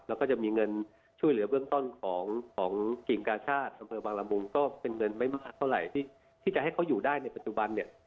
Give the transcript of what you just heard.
แล้วก็จะมีเงินช่วยเหลือเบื้องต้นของกิ่งกาชาติอำเภอบางละมุงก็เป็นเงินไม่มากเท่าไหร่ที่จะให้เขาอยู่ได้ในปัจจุบันเนี่ย